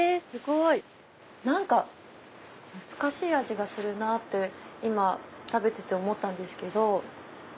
すごい。何か懐かしい味がするなぁって今食べてて思ったんですけど。